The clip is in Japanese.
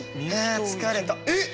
「あ疲れたえっ！」。